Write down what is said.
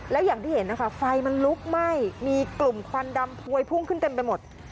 แล้วอย่างที่เห็นนะคะไฟมันลุกไหม้มีกลุ่มควันดำพวยพุ่งขึ้นเต็มไปหมด